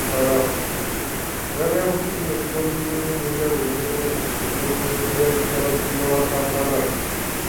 Banabyabufuzi okuva mu bibiina eby'enjawulo betabye mukusabira omwoyo gw'eyali Ssabasumba wa kampala.